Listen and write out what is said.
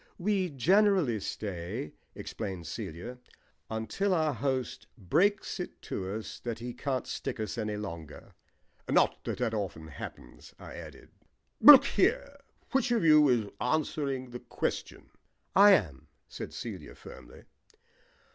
"We generally stay," explained Celia, "until our host breaks it to us that he can't stick us any longer." "Not that that often happens," I added. "Look here, which of you is answering the question?" "I am," said Celia firmly.